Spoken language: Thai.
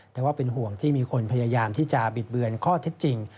แต่ว่าเป็นห่วงที่มีคนพยายามที่จะบิดเบือนข้อเท็จจริง